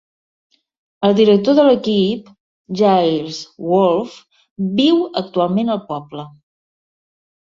El director de l'equip, Giles Wolfe, viu actualment al poble.